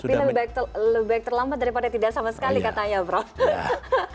tapi lebih baik terlambat daripada tidak sama sekali katanya prof